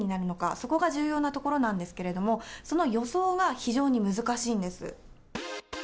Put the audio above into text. そこが重要なところなんですけれども、その予想が非常に難しいんです。